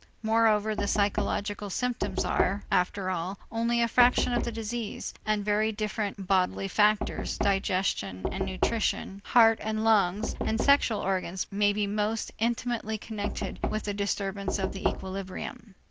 Moreover the psychological symptoms are, after all, only a fraction of the disease and very different bodily factors, digestion and nutrition, heart and lungs and sexual organs may be most intimately connected with the disturbance of the equilibrium.